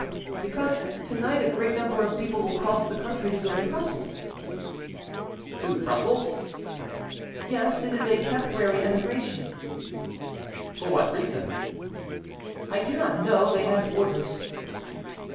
"Because to night a great number of people will cross the country to go to Brussels."—"To Brussels?" "Yes; it is a temporary emigration." "For what reason?" "I do not know; they had orders."